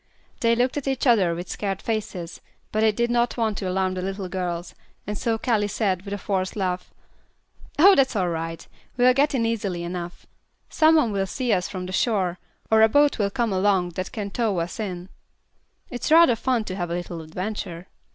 They looked at each other with scared faces, but they did not want to alarm the little girls, and so Callie said, with a forced laugh: "Oh, that's all right. We'll get in easily enough. Some one will see us from the shore, or a boat will come along that can tow us in. It's rather fun to have a little adventure."